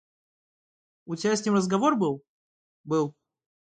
У тебя с ним разговор был? – Был.